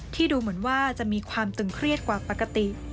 ดูเหมือนว่าจะมีความตึงเครียดกว่าปกติ